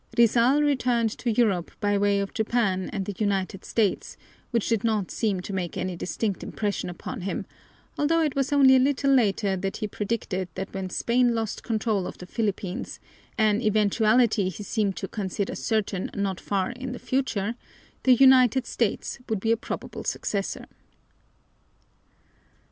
Rizal returned to Europe by way of Japan and the United States, which did not seem to make any distinct impression upon him, although it was only a little later that he predicted that when Spain lost control of the Philippines, an eventuality he seemed to consider certain not far in the future, the United States would be a probable successor.